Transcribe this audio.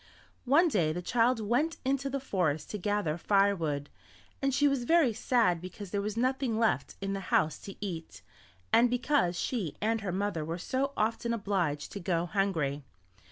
One day the child went into the forest to gather firewood, and she was very sad because there was nothing left in the house to eat, and because she and her mother were so often obliged to go hungry.